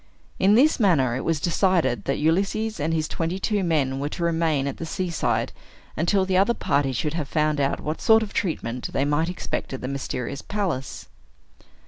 In this manner, it was decided that Ulysses and his twenty two men were to remain at the seaside until the other party should have found out what sort of treatment they might expect at the mysterious palace.